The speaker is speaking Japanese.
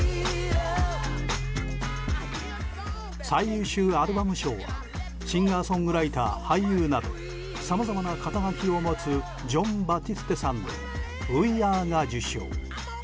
最優秀アルバム賞はシンガー・ソングライター俳優などさまざまな肩書を持つジョン・バティステさんの「ＷＥＡＲＥ」が受賞。